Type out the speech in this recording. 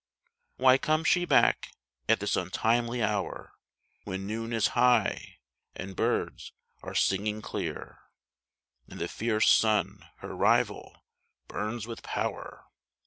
Why comes she back at this untimely hour, When noon is nigh and birds are singing clear, And the fierce sun, her rival, burns with power?